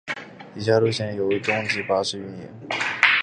以下路线由东急巴士营运。